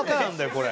これ。